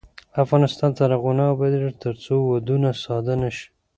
افغانستان تر هغو نه ابادیږي، ترڅو ودونه ساده نشي.